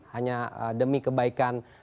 hanya demi kebaikan